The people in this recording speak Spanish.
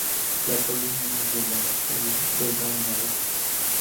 La columna es delgada en la base.